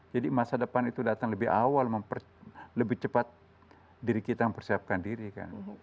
jadi masa depan itu datang lebih awal lebih cepat diri kita mempersiapkan diri kan